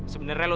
selalu sama kamu